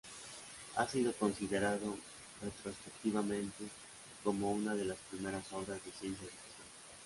Ha sido considerado retrospectivamente como una de las primeras obras de ciencia ficción.